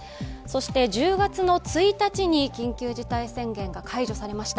１０月１日に緊急事態宣言が解除されました。